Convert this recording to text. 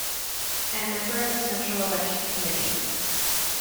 and member of the Central Election Committee.